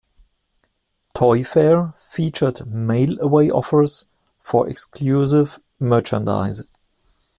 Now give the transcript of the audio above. "Toyfare" featured mail-away offers for exclusive merchandise.